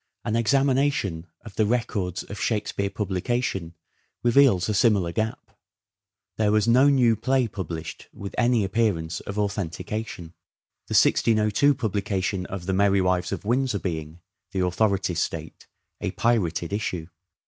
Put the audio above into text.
An examination of the records of " Shakespeare " publica tion reveals a similar gap. There was no new play published with any appearance of authentication ; the 1602 publication of the " Merry Wives of Windsor " being, the authorities state, a " pirated " issue.